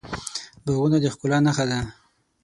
باغونه د ښکلا نښه ده.